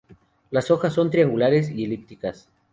Las hojas son triangulares y elípticas.